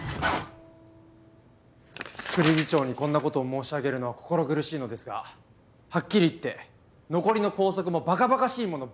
副理事長にこんな事を申し上げるのは心苦しいのですがはっきり言って残りの校則も馬鹿馬鹿しいものばかりです。